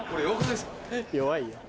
弱いよ。